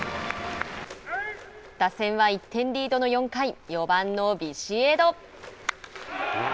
打線は１点リードの４回４番のビシエド。